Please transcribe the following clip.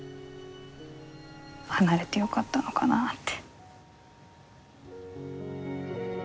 離れてよかったのかなって。